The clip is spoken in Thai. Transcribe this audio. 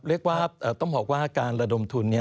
เรียกว่าต้องบอกว่าการระดมทุน